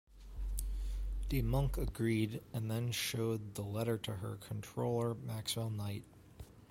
De Muncke agreed and then showed the letter to her controller Maxwell Knight.